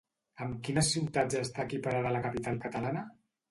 Amb quines ciutats està equiparada la capital catalana?